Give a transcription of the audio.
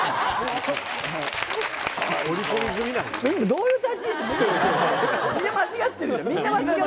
どういう立ち位置？